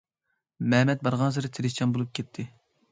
مەمەت بارغانسېرى تىرىشچان بولۇپ كەتتى.